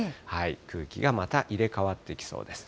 空気がまた入れ代わってきそうです。